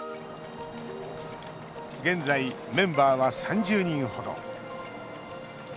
現在、メンバーは３０人ほど。